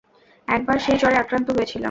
একবার সেই জ্বরে আক্রান্ত হয়েছিলাম!